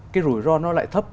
cái rủi ro nó lại thấp